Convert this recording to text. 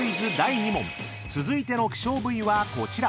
［続いての希少部位はこちら］